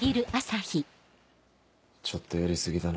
ちょっとやり過ぎだな。